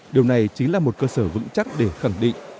điều này chính là một cơ sở vững chắc để khẳng định